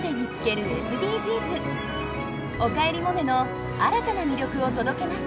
「おかえりモネ」の新たな魅力を届けます。